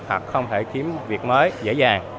hoặc không thể kiếm việc mới dễ dàng